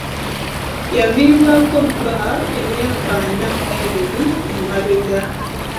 Yaviibwako bba emyaka ana mu ebiri emabega.